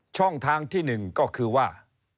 ช่องทางที่๑ก็คือว่า